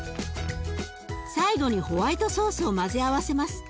最後にホワイトソースを混ぜ合わせます。